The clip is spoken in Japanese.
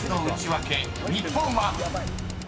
［日本は⁉］